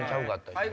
はい。